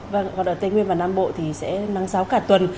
vâng còn ở tây nguyên và nam bộ thì sẽ nắng giáo cả tuần